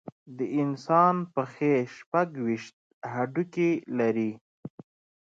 د انسان پښې شپږ ویشت هډوکي لري.